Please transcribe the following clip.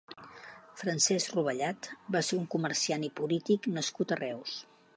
Francesc Rovellat va ser un comerciant i polític nascut a Reus.